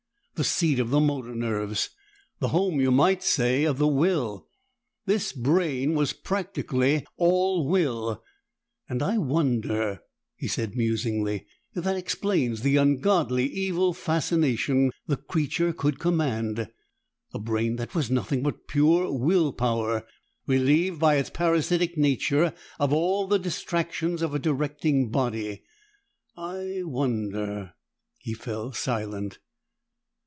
"The seat of the motor nerves. The home, you might say, of the will. This brain was practically all will and I wonder," he said musingly, "if that explains the ungodly, evil fascination the creature could command. A brain that was nothing but pure will power, relieved by its parasitic nature of all the distractions of a directing body! I wonder " He fell silent.